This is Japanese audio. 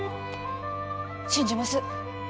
信じます。